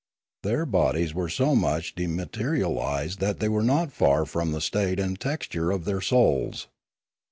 Their bodies were so much dematerialised that they were not far from the state and texture of their souls.